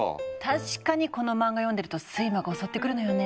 確かにこの漫画読んでると睡魔が襲ってくるのよね。